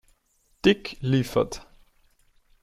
Dick“, liefert.